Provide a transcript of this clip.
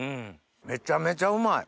めちゃめちゃうまい。